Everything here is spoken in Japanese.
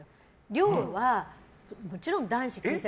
寮は、もちろん男子禁制。